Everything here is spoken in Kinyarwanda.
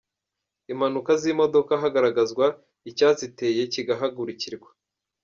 Impanuka z’imodoka hagaragazwa icya ziteye kigahagurukirwa.